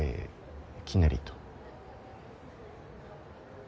きなりと。